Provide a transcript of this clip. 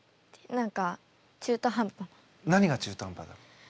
何が中途半端だろう？